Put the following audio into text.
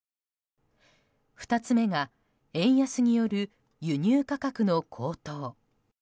２つ目が円安による輸入価格の高騰。